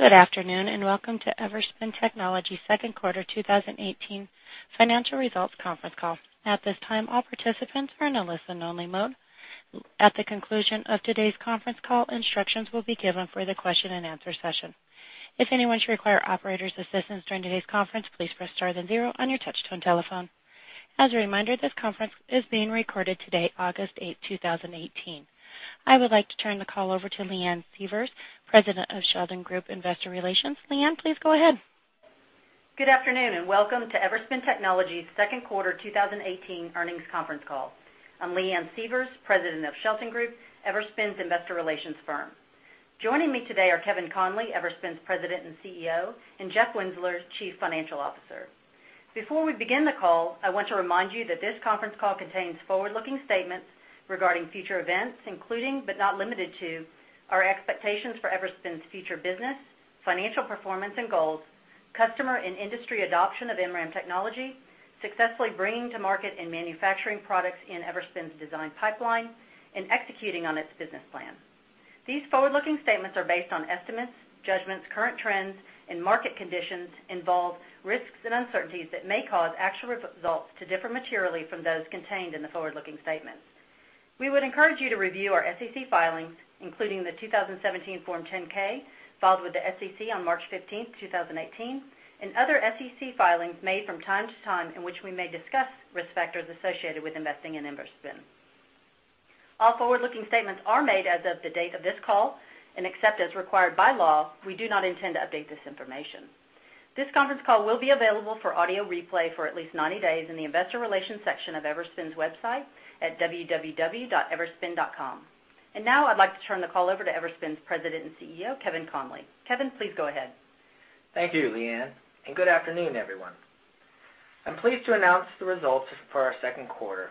Good afternoon. Welcome to Everspin Technologies' second quarter 2018 financial results conference call. At this time, all participants are in a listen-only mode. At the conclusion of today's conference call, instructions will be given for the question and answer session. If anyone should require operator's assistance during today's conference, please press star then zero on your touch-tone telephone. As a reminder, this conference is being recorded today, August 8, 2018. I would like to turn the call over to Leanne Sievers, President of Shelton Group Investor Relations. Leanne, please go ahead. Good afternoon. Welcome to Everspin Technologies' second quarter 2018 earnings conference call. I'm Leanne Sievers, President of Shelton Group, Everspin's investor relations firm. Joining me today are Kevin Conley, Everspin's President and CEO, and Jeff Winzeler, Chief Financial Officer. Before we begin the call, I want to remind you that this conference call contains forward-looking statements regarding future events, including, but not limited to, our expectations for Everspin's future business, financial performance and goals, customer and industry adoption of MRAM technology, successfully bringing to market and manufacturing products in Everspin's design pipeline, and executing on its business plan. These forward-looking statements are based on estimates, judgments, current trends, and market conditions, involve risks and uncertainties that may cause actual results to differ materially from those contained in the forward-looking statements. We would encourage you to review our SEC filings, including the 2017 Form 10-K filed with the SEC on March 15, 2018, and other SEC filings made from time to time, in which we may discuss risk factors associated with investing in Everspin. All forward-looking statements are made as of the date of this call, and except as required by law, we do not intend to update this information. This conference call will be available for audio replay for at least 90 days in the investor relations section of Everspin's website at www.everspin.com. Now I'd like to turn the call over to Everspin's President and CEO, Kevin Conley. Kevin, please go ahead. Thank you, Leanne. Good afternoon, everyone. I'm pleased to announce the results for our second quarter.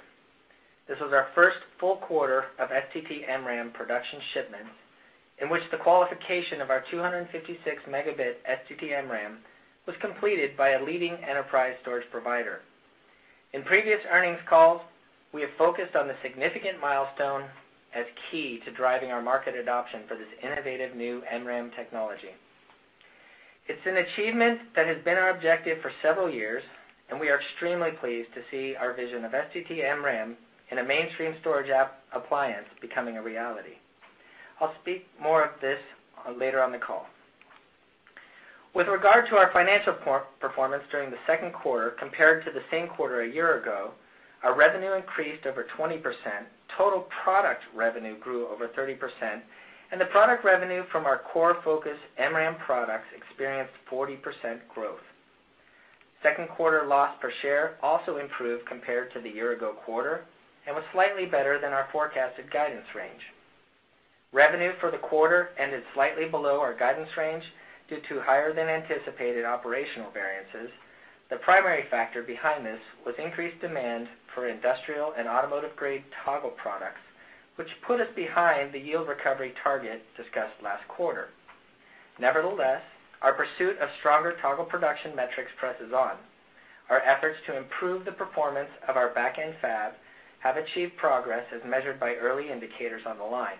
This was our first full quarter of STT-MRAM production shipments, in which the qualification of our 256-megabit STT-MRAM was completed by a leading enterprise storage provider. In previous earnings calls, we have focused on the significant milestone as key to driving our market adoption for this innovative new MRAM technology. It's an achievement that has been our objective for several years, and we are extremely pleased to see our vision of STT-MRAM in a mainstream storage appliance becoming a reality. I'll speak more of this later on the call. With regard to our financial performance during the second quarter compared to the same quarter a year ago, our revenue increased over 20%, total product revenue grew over 30%, and the product revenue from our core focus MRAM products experienced 40% growth. Second quarter loss per share also improved compared to the year-ago quarter and was slightly better than our forecasted guidance range. Revenue for the quarter ended slightly below our guidance range due to higher-than-anticipated operational variances. The primary factor behind this was increased demand for industrial and automotive-grade Toggle products, which put us behind the yield recovery target discussed last quarter. Nevertheless, our pursuit of stronger Toggle production metrics presses on. Our efforts to improve the performance of our back-end fab have achieved progress as measured by early indicators on the line.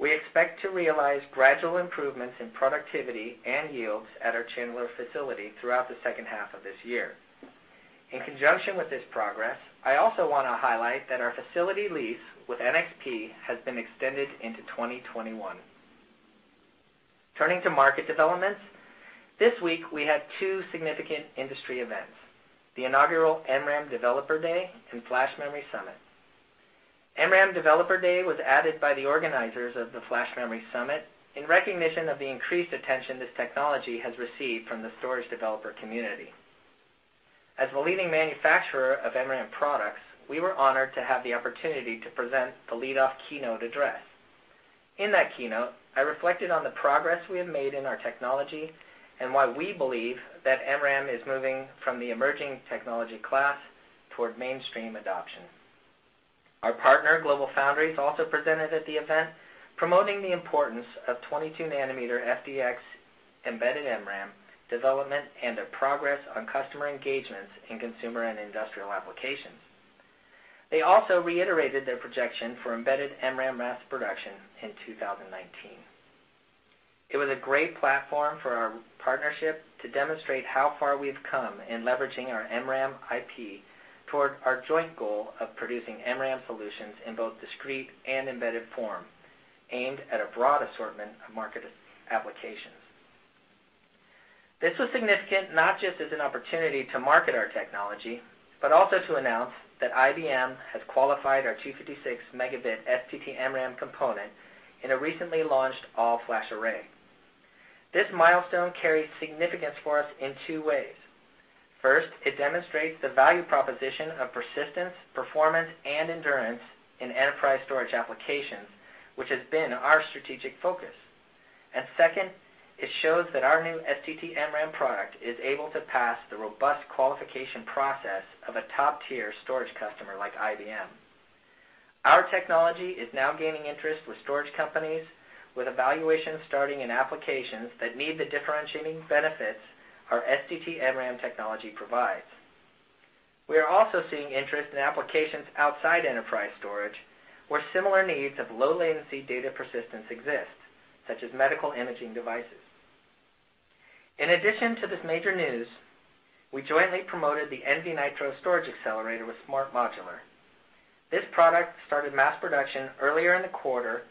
We expect to realize gradual improvements in productivity and yields at our Chandler facility throughout the second half of this year. In conjunction with this progress, I also want to highlight that our facility lease with NXP has been extended into 2021. Turning to market developments, this week we had two significant industry events, the inaugural MRAM Developer Day and Flash Memory Summit. MRAM Developer Day was added by the organizers of the Flash Memory Summit in recognition of the increased attention this technology has received from the storage developer community. As the leading manufacturer of MRAM products, we were honored to have the opportunity to present the lead-off keynote address. In that keynote, I reflected on the progress we have made in our technology and why we believe that MRAM is moving from the emerging technology class toward mainstream adoption. Our partner, GlobalFoundries, also presented at the event, promoting the importance of 22-nanometer FDX embedded MRAM development and their progress on customer engagements in consumer and industrial applications. They also reiterated their projection for embedded MRAM mass production in 2019. It was a great platform for our partnership to demonstrate how far we've come in leveraging our MRAM IP toward our joint goal of producing MRAM solutions in both discrete and embedded form, aimed at a broad assortment of market applications. This was significant not just as an opportunity to market our technology, but also to announce that IBM has qualified our 256-megabit STT-MRAM component in a recently launched all-flash array. This milestone carries significance for us in two ways. First, it demonstrates the value proposition of persistence, performance, and endurance in enterprise storage applications, which has been our strategic focus. Second, it shows that our new STT-MRAM product is able to pass the robust qualification process of a top-tier storage customer like IBM. Our technology is now gaining interest with storage companies with evaluations starting in applications that need the differentiating benefits our STT-MRAM technology provides. We are also seeing interest in applications outside enterprise storage, where similar needs of low-latency data persistence exist, such as medical imaging devices. In addition to this major news, we jointly promoted the nvNITRO storage accelerator with Smart Modular. This product started mass production earlier in the quarter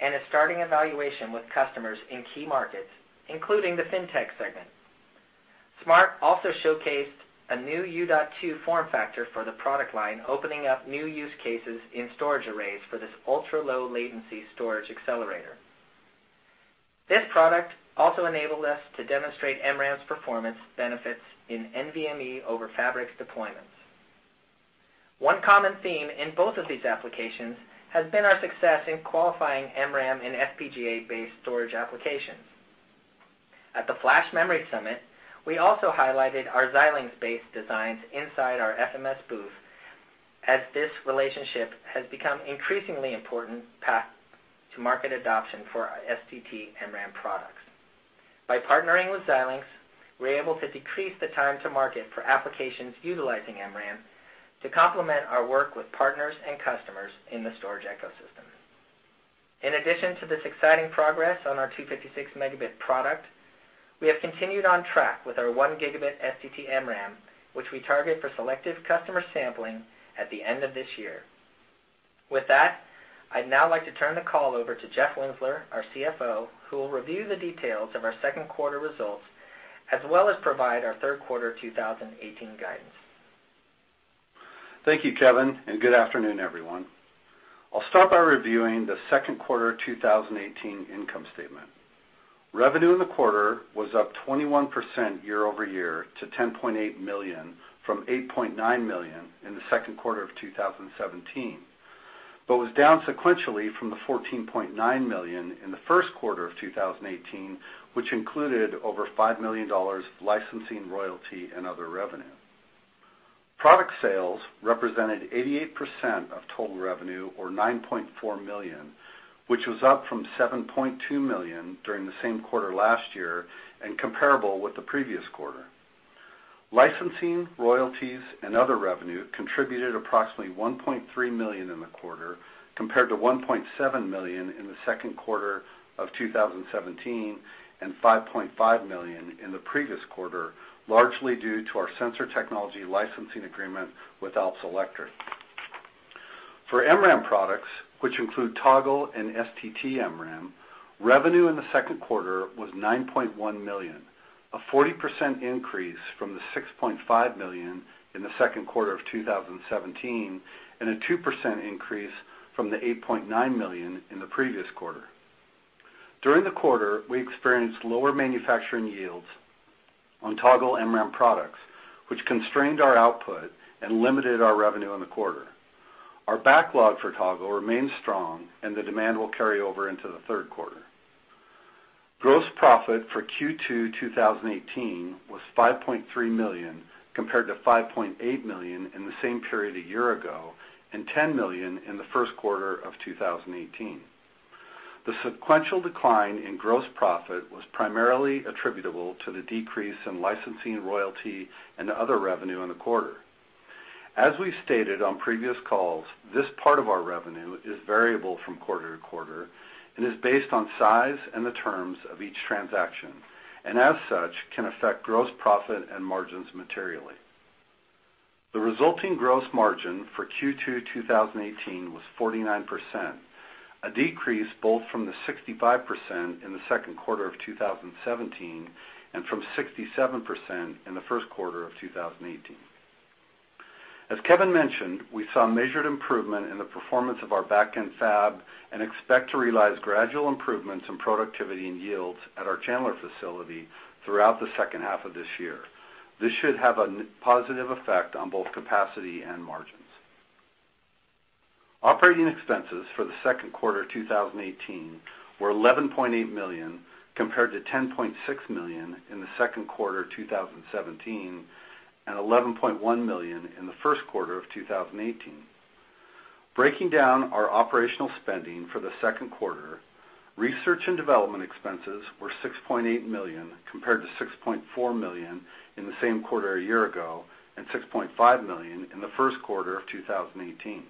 and is starting evaluation with customers in key markets, including the FinTech segment. Smart also showcased a new U.2 form factor for the product line, opening up new use cases in storage arrays for this ultra-low latency storage accelerator. This product also enabled us to demonstrate MRAM's performance benefits in NVMe over Fabrics deployments. One common theme in both of these applications has been our success in qualifying MRAM and FPGA-based storage applications. At the Flash Memory Summit, we also highlighted our Xilinx-based designs inside our FMS booth, as this relationship has become increasingly important path to market adoption for STT-MRAM products. By partnering with Xilinx, we're able to decrease the time to market for applications utilizing MRAM to complement our work with partners and customers in the storage ecosystem. In addition to this exciting progress on our 256-megabit product, we have continued on track with our 1-gigabit STT-MRAM, which we target for selective customer sampling at the end of this year. With that, I'd now like to turn the call over to Jeff Winzeler, our CFO, who will review the details of our second quarter results, as well as provide our third quarter 2018 guidance. Thank you, Kevin, and good afternoon, everyone. I'll start by reviewing the second quarter 2018 income statement. Revenue in the quarter was up 21% year-over-year to $10.8 million from $8.9 million in the second quarter of 2017, but was down sequentially from the $14.9 million in the first quarter of 2018, which included over $5 million of licensing, royalty, and other revenue. Product sales represented 88% of total revenue, or $9.4 million, which was up from $7.2 million during the same quarter last year, and comparable with the previous quarter. Licensing, royalties, and other revenue contributed approximately $1.3 million in the quarter compared to $1.7 million in the second quarter of 2017, and $5.5 million in the previous quarter, largely due to our sensor technology licensing agreement with Alps Electric. For MRAM products, which include Toggle and STT-MRAM, revenue in the second quarter was $9.1 million, a 40% increase from the $6.5 million in the second quarter of 2017, and a 2% increase from the $8.9 million in the previous quarter. During the quarter, we experienced lower manufacturing yields on Toggle MRAM products, which constrained our output and limited our revenue in the quarter. Our backlog for Toggle remains strong, and the demand will carry over into the third quarter. Gross profit for Q2 2018 was $5.3 million, compared to $5.8 million in the same period a year ago, and $10 million in the first quarter of 2018. The sequential decline in gross profit was primarily attributable to the decrease in licensing, royalty, and other revenue in the quarter. As we stated on previous calls, this part of our revenue is variable from quarter-to-quarter and is based on size and the terms of each transaction, and as such, can affect gross profit and margins materially. The resulting gross margin for Q2 2018 was 49%, a decrease both from the 65% in the second quarter of 2017, and from 67% in the first quarter of 2018. As Kevin mentioned, we saw measured improvement in the performance of our backend fab and expect to realize gradual improvements in productivity and yields at our Chandler facility throughout the second half of this year. This should have a positive effect on both capacity and margins. Operating expenses for the second quarter 2018 were $11.8 million, compared to $10.6 million in the second quarter 2017, and $11.1 million in the first quarter of 2018. Breaking down our operational spending for the second quarter, research and development expenses were $6.8 million, compared to $6.4 million in the same quarter a year ago, and $6.5 million in the first quarter of 2018.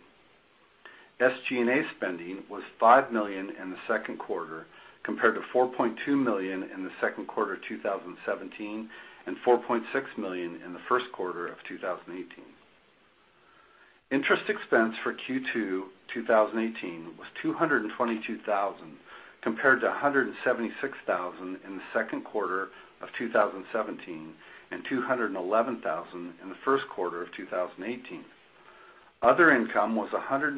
SG&A spending was $5 million in the second quarter compared to $4.2 million in the second quarter of 2017, and $4.6 million in the first quarter of 2018. Interest expense for Q2 2018 was $222,000 compared to $176,000 in the second quarter of 2017, and $211,000 in the first quarter of 2018. Other income was $132,000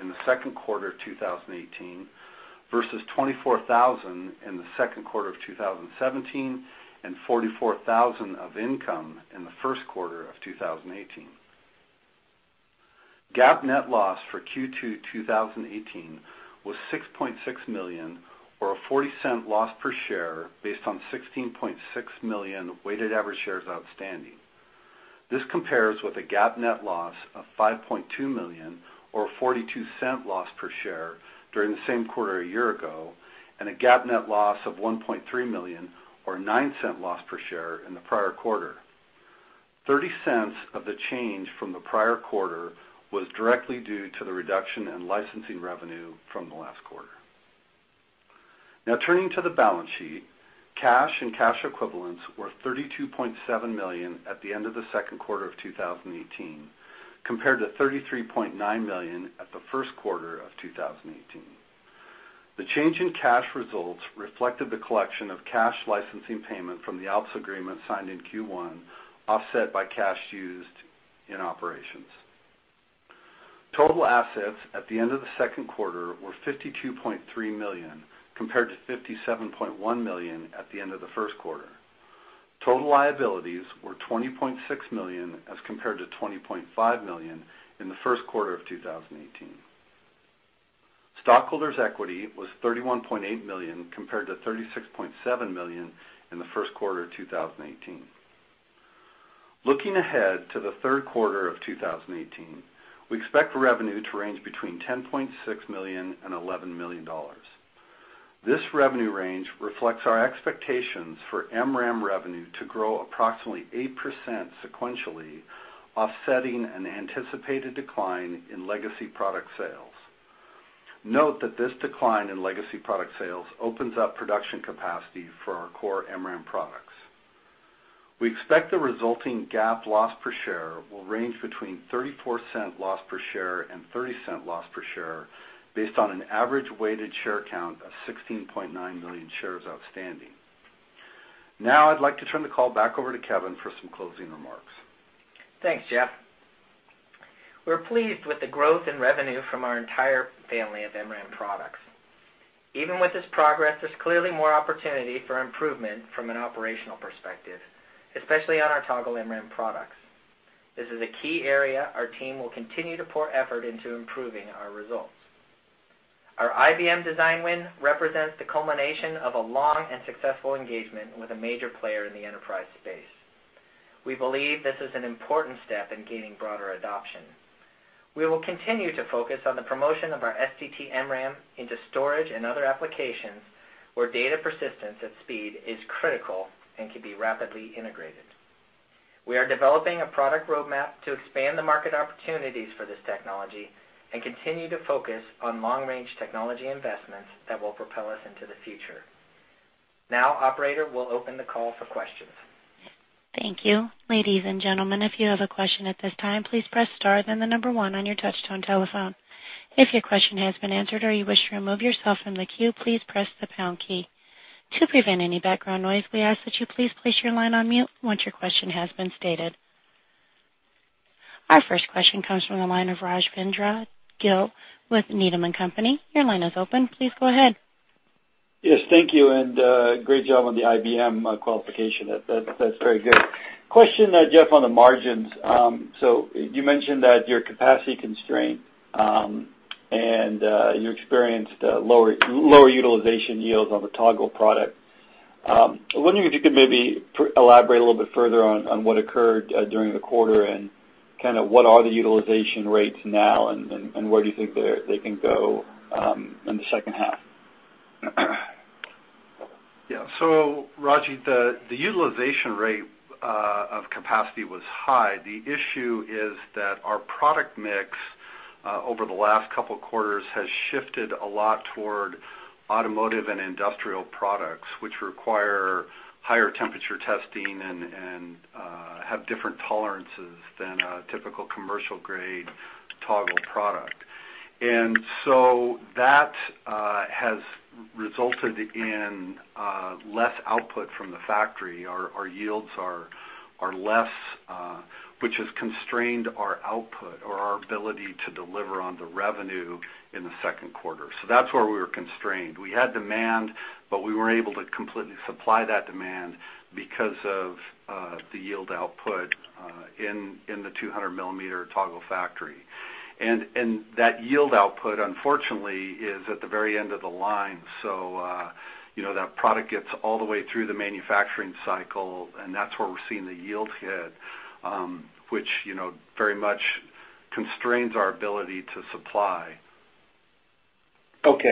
in the second quarter of 2018 versus $24,000 in the second quarter of 2017, and $44,000 of income in the first quarter of 2018. GAAP net loss for Q2 2018 was $6.6 million, or a $0.40 loss per share based on 16.6 million weighted average shares outstanding. This compares with a GAAP net loss of $5.2 million, or a $0.42 loss per share during the same quarter a year ago, and a GAAP net loss of $1.3 million or $0.09 loss per share in the prior quarter. $0.30 of the change from the prior quarter was directly due to the reduction in licensing revenue from the last quarter. Turning to the balance sheet, cash and cash equivalents were $32.7 million at the end of the second quarter of 2018, compared to $33.9 million at the first quarter of 2018. The change in cash results reflected the collection of cash licensing payment from the Alps agreement signed in Q1, offset by cash used in operations. Total assets at the end of the second quarter were $52.3 million, compared to $57.1 million at the end of the first quarter. Total liabilities were $20.6 million as compared to $20.5 million in the first quarter of 2018. Stockholders' equity was $31.8 million, compared to $36.7 million in the first quarter of 2018. Looking ahead to the third quarter of 2018, we expect revenue to range between $10.6 million and $11 million. This revenue range reflects our expectations for MRAM revenue to grow approximately 8% sequentially, offsetting an anticipated decline in legacy product sales. Note that this decline in legacy product sales opens up production capacity for our core MRAM products. We expect the resulting GAAP loss per share will range between $0.34 loss per share and $0.30 loss per share, based on an average weighted share count of 16.9 million shares outstanding. I'd like to turn the call back over to Kevin for some closing remarks. Thanks, Jeff. We're pleased with the growth in revenue from our entire family of MRAM products. Even with this progress, there's clearly more opportunity for improvement from an operational perspective, especially on our Toggle MRAM products. This is a key area our team will continue to pour effort into improving our results. Our IBM design win represents the culmination of a long and successful engagement with a major player in the enterprise space. We believe this is an important step in gaining broader adoption. We will continue to focus on the promotion of our STT-MRAM into storage and other applications where data persistence at speed is critical and can be rapidly integrated. We are developing a product roadmap to expand the market opportunities for this technology and continue to focus on long-range technology investments that will propel us into the future. Operator, we'll open the call for questions. Thank you. Ladies and gentlemen, if you have a question at this time, please press star then the number one on your touch-tone telephone. If your question has been answered or you wish to remove yourself from the queue, please press the pound key. To prevent any background noise, we ask that you please place your line on mute once your question has been stated. Our first question comes from the line of Rajvindra Gill with Needham & Company. Your line is open. Please go ahead. Thank you. Great job on the IBM qualification. That's very good. Question, Jeff, on the margins. You mentioned that your capacity constraint, and you experienced lower utilization yields on the Toggle product. I was wondering if you could maybe elaborate a little bit further on what occurred during the quarter and kind of what are the utilization rates now and where do you think they can go in the second half? Raji, the utilization rate of capacity was high. The issue is that our product mix, over the last couple of quarters, has shifted a lot toward automotive and industrial products, which require higher temperature testing and have different tolerances than a typical commercial-grade Toggle product. That has resulted in less output from the factory. Our yields are less, which has constrained our output or our ability to deliver on the revenue in the second quarter. That's where we were constrained. We had demand, but we weren't able to completely supply that demand because of the yield output in the 200-millimeter Toggle factory. That yield output, unfortunately, is at the very end of the line, so that product gets all the way through the manufacturing cycle, and that's where we're seeing the yield hit, which very much constrains our ability to supply. What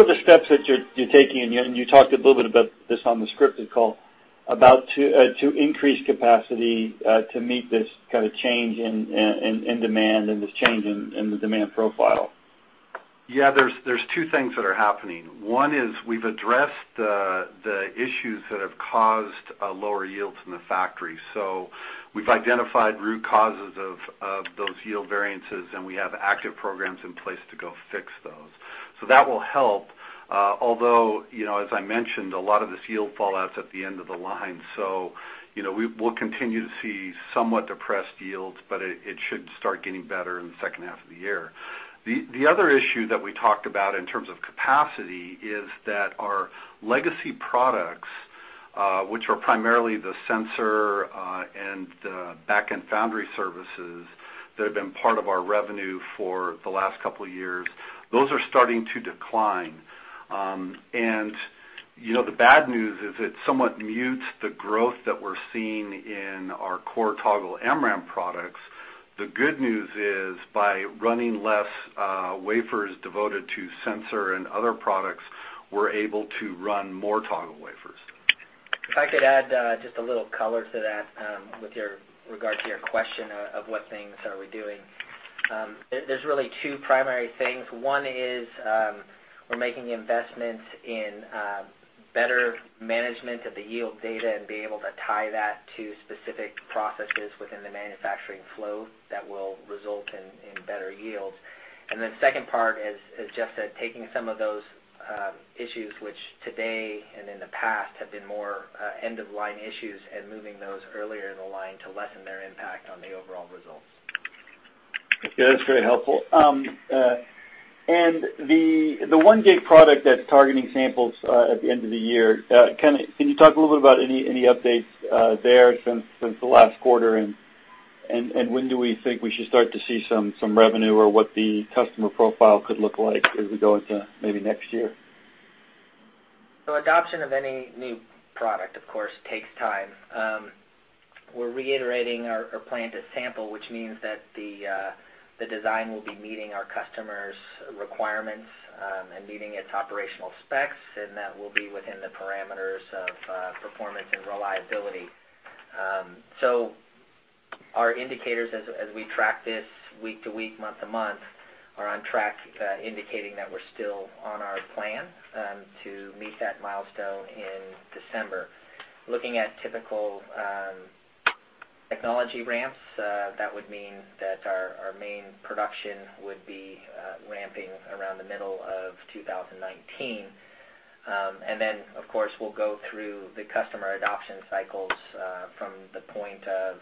are the steps that you're taking, and you talked a little bit about this on the scripted call, to increase capacity to meet this kind of change in demand and this change in the demand profile? There's two things that are happening. One is we've addressed the issues that have caused lower yields in the factory. We've identified root causes of those yield variances, and we have active programs in place to go fix those. That will help, although, as I mentioned, a lot of this yield fallout's at the end of the line. We'll continue to see somewhat depressed yields, but it should start getting better in the second half of the year. The other issue that we talked about in terms of capacity is that our legacy products, which are primarily the sensor and the back-end foundry services that have been part of our revenue for the last couple of years, those are starting to decline. The bad news is it somewhat mutes the growth that we're seeing in our core Toggle MRAM products. The good news is by running less wafers devoted to sensor and other products, we're able to run more toggle wafers. If I could add just a little color to that with regard to your question of what things are we doing. There's really two primary things. One is we're making investments in better management of the yield data and being able to tie that to specific processes within the manufacturing flow that will result in better yields. Second part, as Jeff said, taking some of those issues, which today and in the past have been more end-of-line issues, and moving those earlier in the line to lessen their impact on the overall results. That's very helpful. The one gig product that's targeting samples at the end of the year, can you talk a little bit about any updates there since the last quarter, and when do we think we should start to see some revenue or what the customer profile could look like as we go into maybe next year? Adoption of any new product, of course, takes time. We're reiterating our plan to sample, which means that the design will be meeting our customers' requirements and meeting its operational specs, and that will be within the parameters of performance and reliability. Our indicators, as we track this week to week, month to month, are on track, indicating that we're still on our plan to meet that milestone in December. Looking at typical technology ramps, that would mean that our main production would be ramping around the middle of 2019. Of course, we'll go through the customer adoption cycles from the point of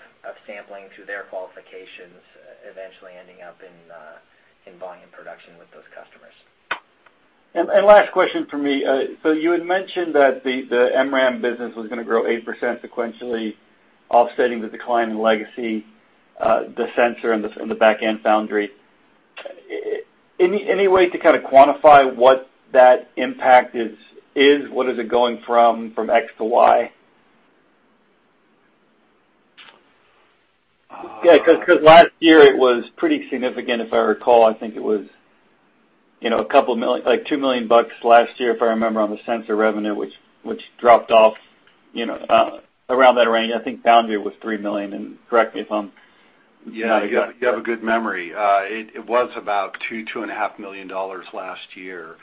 sampling through their qualifications, eventually ending up in volume production with those customers. Last question from me. You had mentioned that the MRAM business was going to grow 8% sequentially, offsetting the decline in legacy, the sensor, and the back-end foundry. Any way to kind of quantify what that impact is? What is it going from X to Y? Because last year it was pretty significant, if I recall. I think it was like $2 million last year, if I remember, on the sensor revenue, which dropped off around that range. I think foundry was $3 million, and correct me if I'm not- Yeah, you have a good memory. It was about $2 million, $2.5 million last year.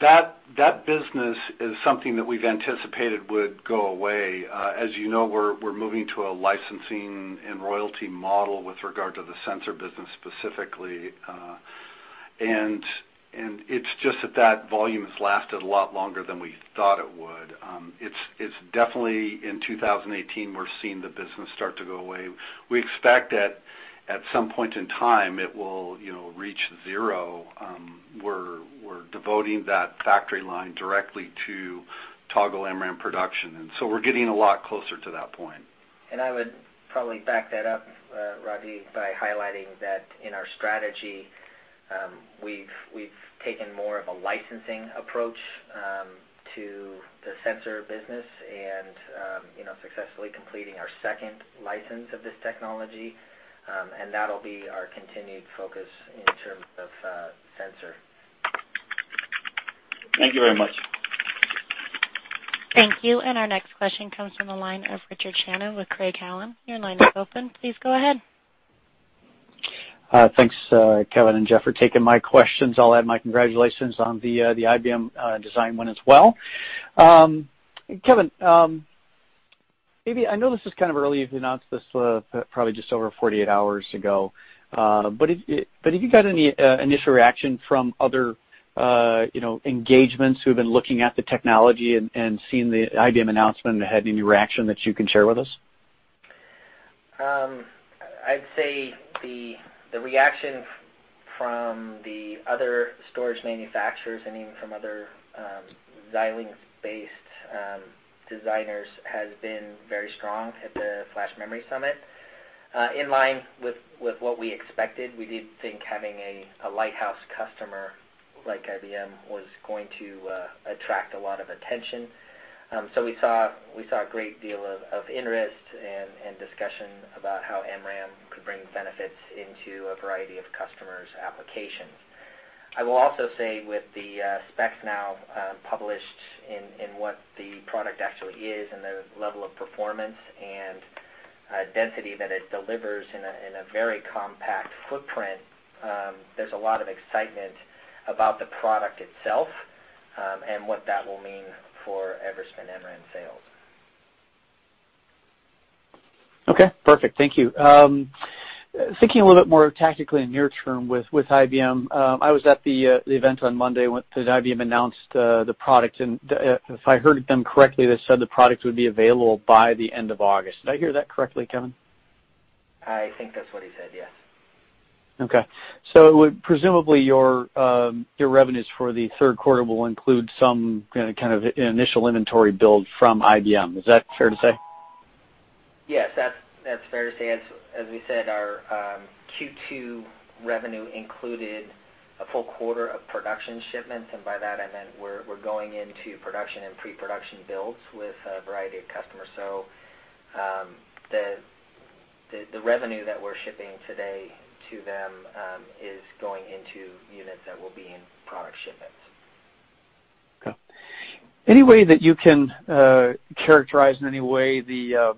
That business is something that we've anticipated would go away. As you know, we're moving to a licensing and royalty model with regard to the sensor business specifically. It's just that that volume has lasted a lot longer than we thought it would. It's definitely in 2018, we're seeing the business start to go away. We expect that at some point in time, it will reach zero. We're devoting that factory line directly to Toggle MRAM production, we're getting a lot closer to that point. I would probably back that up, Raji, by highlighting that in our strategy, we've taken more of a licensing approach to the sensor business and successfully completing our second license of this technology, and that'll be our continued focus in terms of sensor. Thank you very much. Thank you. Our next question comes from the line of Richard Shannon with Craig-Hallum. Your line is open. Please go ahead. Thanks, Kevin and Jeff, for taking my questions. I'll add my congratulations on the IBM design win as well. Kevin, maybe I know this is kind of early. You've announced this probably just over 48 hours ago. Have you got any initial reaction from other engagements who've been looking at the technology and seen the IBM announcement and had any reaction that you can share with us? I'd say the reaction from the other storage manufacturers and even from other Xilinx-based designers has been very strong at the Flash Memory Summit. In line with what we expected, we did think having a lighthouse customer like IBM was going to attract a lot of attention. We saw a great deal of interest and discussion about how MRAM could bring benefits into a variety of customers' applications. I will also say with the specs now published in what the product actually is and the level of performance and density that it delivers in a very compact footprint, there's a lot of excitement about the product itself, and what that will mean for Everspin MRAM sales. Okay, perfect. Thank you. Thinking a little bit more tactically near term with IBM, I was at the event on Monday when IBM announced the product. If I heard them correctly, they said the product would be available by the end of August. Did I hear that correctly, Kevin? I think that's what he said, yes. Okay. Presumably, your revenues for the third quarter will include some kind of initial inventory build from IBM. Is that fair to say? Yes, that's fair to say. As we said, our Q2 revenue included a full quarter of production shipments. By that, I meant we're going into production and pre-production builds with a variety of customers. The revenue that we're shipping today to them is going into units that will be in product shipments. Okay. Any way that you can characterize in any way the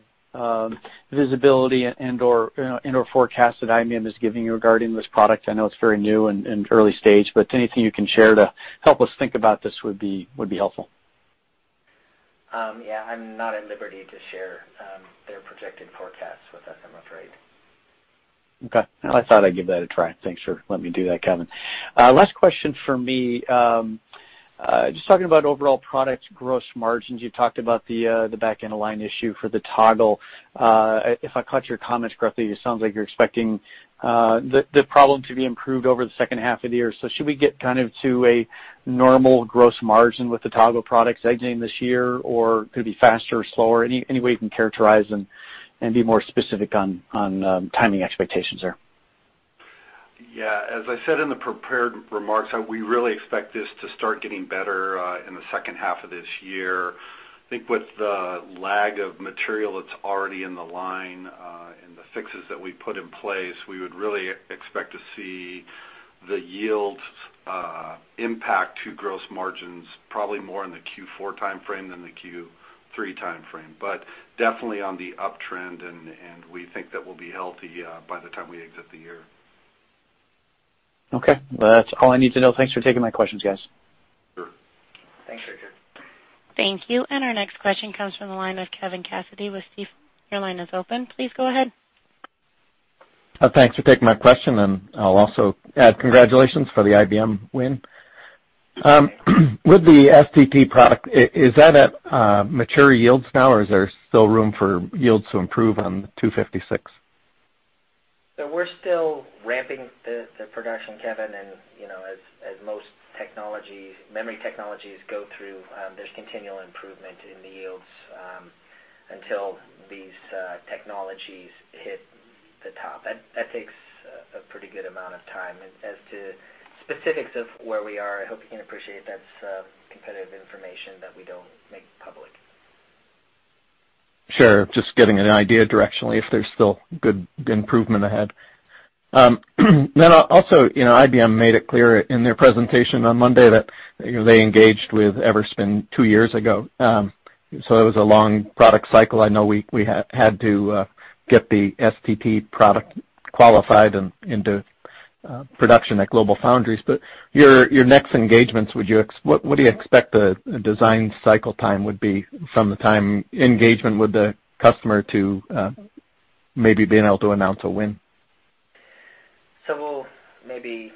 visibility and/or forecast that IBM is giving you regarding this product? I know it's very new and early stage, but anything you can share to help us think about this would be helpful. Yeah, I'm not at liberty to share their projected forecasts with us, I'm afraid. Okay. Well, I thought I'd give that a try. Thanks for letting me do that, Kevin. Last question from me. Just talking about overall product gross margins, you talked about the back-end line issue for the Toggle. If I caught your comments correctly, it sounds like you're expecting the problem to be improved over the second half of the year. Should we get kind of to a normal gross margin with the Toggle products exiting this year, or could it be faster or slower? Any way you can characterize and be more specific on timing expectations there? Yeah. As I said in the prepared remarks, we really expect this to start getting better in the second half of this year. I think with the lag of material that's already in the line, and the fixes that we put in place, we would really expect to see the yield impact to gross margins probably more in the Q4 timeframe than the Q3 timeframe. Definitely on the uptrend, and we think that we'll be healthy by the time we exit the year. Okay. Well, that's all I need to know. Thanks for taking my questions, guys. Sure. Thanks, Richard. Thank you. Our next question comes from the line of Kevin Cassidy with Stifel. Your line is open. Please go ahead. Thanks for taking my question, and I'll also add congratulations for the IBM win. With the STT product, is that at mature yields now, or is there still room for yields to improve on the 256? We're still ramping the production, Kevin. As most memory technologies go through, there's continual improvement in the yields until these technologies hit the top. That takes a pretty good amount of time. As to specifics of where we are, I hope you can appreciate that's competitive information that we don't make public. Sure. Just getting an idea directionally if there's still good improvement ahead. Also, IBM made it clear in their presentation on Monday that they engaged with Everspin two years ago. It was a long product cycle. I know we had to get the STT product qualified and into production at GlobalFoundries. Your next engagements, what do you expect the design cycle time would be from the time engagement with the customer to maybe being able to announce a win? We'll maybe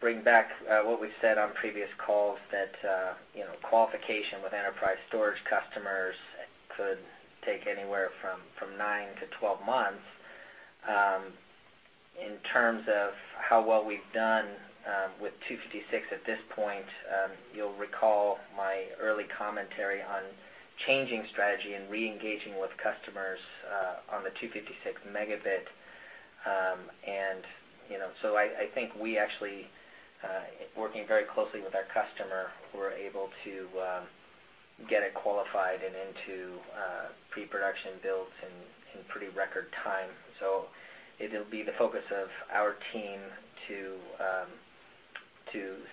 bring back what we've said on previous calls, that qualification with enterprise storage customers could take anywhere from nine to 12 months. In terms of how well we've done with 256 at this point, you'll recall my early commentary on changing strategy and re-engaging with customers on the 256-megabit. I think we actually, working very closely with our customer, were able to get it qualified and into pre-production builds in pretty record time. It'll be the focus of our team to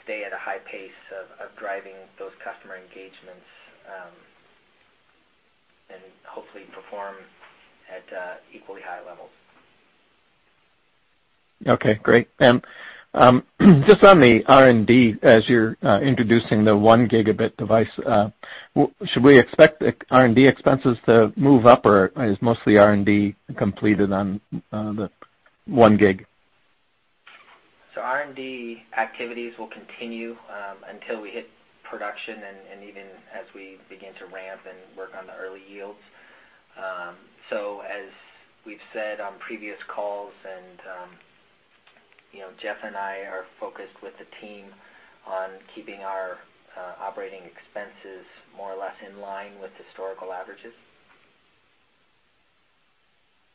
stay at a high pace of driving those customer engagements, and hopefully perform at equally high levels. Okay, great. Just on the R&D, as you're introducing the 1-gigabit device, should we expect R&D expenses to move up, or is mostly R&D completed on the 1 gig? R&D activities will continue until we hit production, and even as we begin to ramp and work on the early yields. As we've said on previous calls, Jeff and I are focused with the team on keeping our operating expenses more or less in line with historical averages.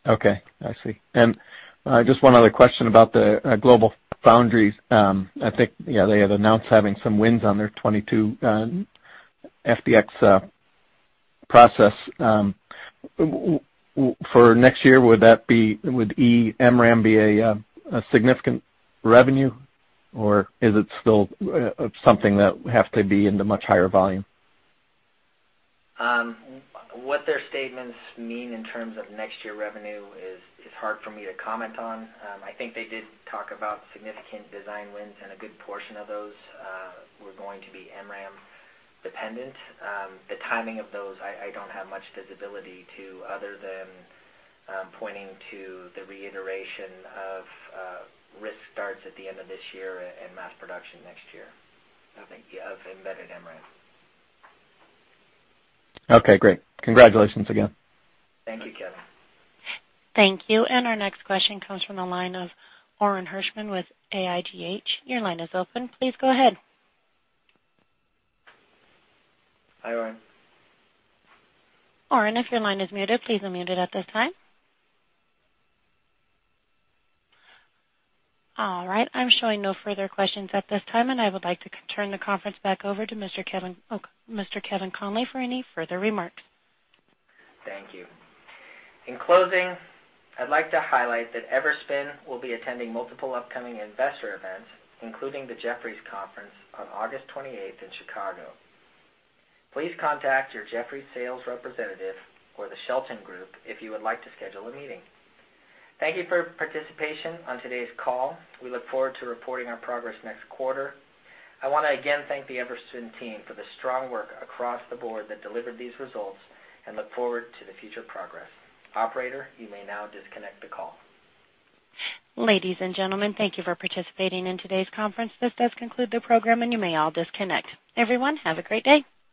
Okay. I see. Just one other question about the GlobalFoundries. I think they had announced having some wins on their 22FDX process. For next year, would eMRAM be a significant revenue, or is it still something that would have to be into much higher volume? What their statements mean in terms of next year revenue is hard for me to comment on. I think they did talk about significant design wins, and a good portion of those were going to be MRAM-dependent. The timing of those, I don't have much visibility to other than pointing to the reiteration of risk starts at the end of this year and mass production next year, I think, of embedded MRAM. Okay, great. Congratulations again. Thank you, Kevin. Our next question comes from the line of Orin Hirschman with AIGH. Your line is open. Please go ahead. Hi, Orin. Orin, if your line is muted, please unmute it at this time. All right. I'm showing no further questions at this time, and I would like to turn the conference back over to Mr. Kevin Conley for any further remarks. Thank you. In closing, I'd like to highlight that Everspin will be attending multiple upcoming investor events, including the Jefferies conference on August 28th in Chicago. Please contact your Jefferies sales representative or the Shelton Group if you would like to schedule a meeting. Thank you for your participation on today's call. We look forward to reporting our progress next quarter. I want to again thank the Everspin team for the strong work across the board that delivered these results, and look forward to the future progress. Operator, you may now disconnect the call. Ladies and gentlemen, thank you for participating in today's conference. This does conclude the program, and you may all disconnect. Everyone, have a great day.